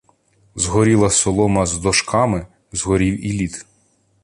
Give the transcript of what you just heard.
Згоріла солома з дошками, "згорів" і лід.